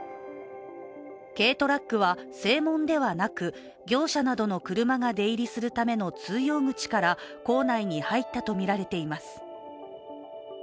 軽トラックは正門ではなく業者などの車が出入りする通用口から、校内に入ったとみられています。